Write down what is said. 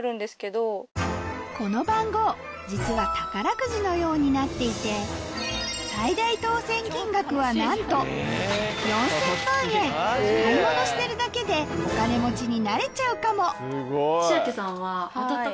この番号実は宝くじのようになっていて最大当選金額はなんと買い物してるだけでお金持ちになれちゃうかもちあきさんは。